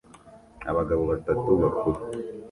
Abagabo batatu bakuru